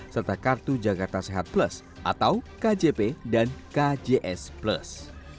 serta kartu jakarta sehat plus atau kjp dan kjs plus